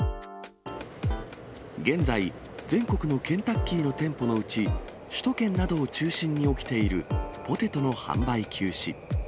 現在、全国のケンタッキーの店舗のうち、首都圏などを中心に起きているポテトの販売休止。